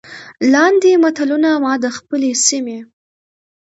لاندې متلونه ما د خپلې سيمې